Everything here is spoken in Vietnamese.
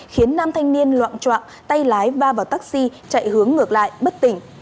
khiến năm thanh niên loạn trọng tay lái va vào taxi chạy hướng ngược lại bất tỉnh